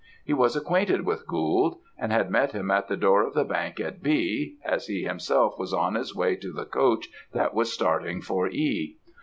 He was acquainted with Gould; and had met him at the door of the bank at B , as he himself was on his way to the coach that was starting for E.